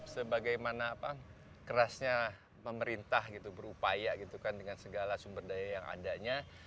sebagaimana kerasnya pemerintah berupaya dengan segala sumber daya yang adanya